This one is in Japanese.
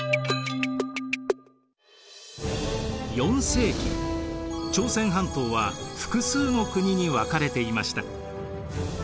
４世紀朝鮮半島は複数の国に分かれていました。